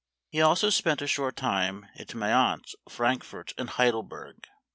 He also spent a short time at Mayence, Frankfort, and Heidelberg.